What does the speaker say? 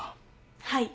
はい。